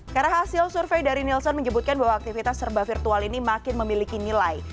karena hasil survei dari nielsen menyebutkan bahwa aktivitas serba virtual ini makin memiliki nilai